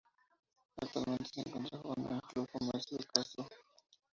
Actualmente se encuentra jugando en el Club Comercio de Castro.